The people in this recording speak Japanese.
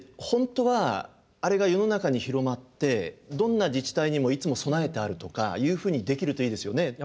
本当はあれが世の中に広まってどんな自治体にもいつも備えてあるとかいうふうにできるといいですよね。